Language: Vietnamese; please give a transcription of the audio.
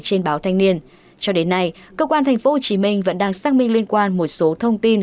cho đến nay cơ quan thành phố hồ chí minh vẫn đang xác minh liên quan một số thông tin